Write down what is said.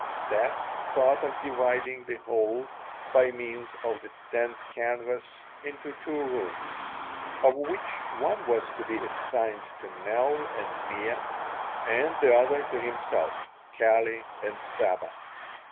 Stas thought of dividing the whole, by means of the tent canvas, into two rooms, of which one was to be assigned to Nell and Mea and the other to himself, Kali, and Saba.